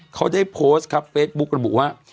เขาได้โพสต์ครับเฟซบุ๊กระบุว่า